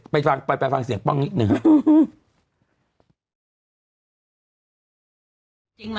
ไปฟังไปเปล่าฟังเสียงนิดหนึ่ง